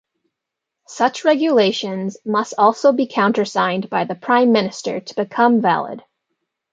Such regulations must also be countersigned by the prime minister to become valid.